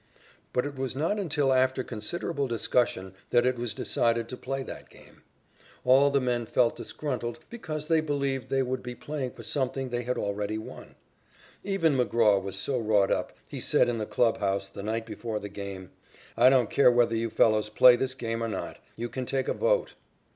But it was not until after considerable discussion that it was decided to play that game. All the men felt disgruntled because they believed they would be playing for something they had already won. Even McGraw was so wrought up, he said in the clubhouse the night before the game: "I don't care whether you fellows play this game or not. You can take a vote."